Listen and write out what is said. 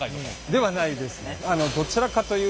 ではないです。